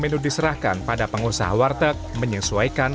situasi itu coba ngeluarin